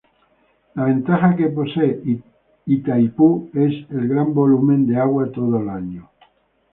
La ventaja que posee Itaipú es el gran volumen de agua todo el año.